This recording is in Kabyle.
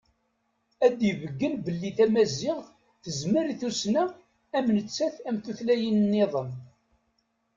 Ad d-ibeggen belli tamaziɣt tezmer i tussna am nettat am tutlayin-nniḍen.